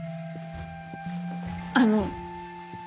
あの。